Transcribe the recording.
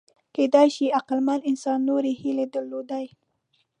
کېدای شي عقلمن انسان نورې هیلې درلودې.